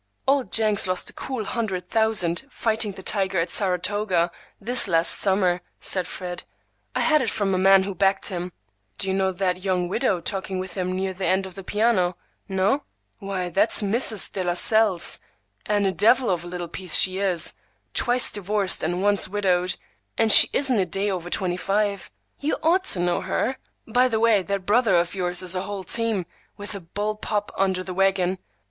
"Old Jenks lost a cool hundred thousand fighting the tiger at Saratoga, this last summer," said Fred. "I had it from a man who backed him. Do you know that young widow talking with him near the end of the piano? No? Why, that's Mrs. Delascelles, and a devil of a little piece she is,—twice divorced and once widowed, and she isn't a day over twenty five. You ought to know her. By the way, that brother of yours is a whole team, with a bull pup under the wagon.